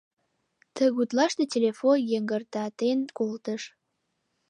Тыгутлаште телефон йыҥгыртатен колтыш.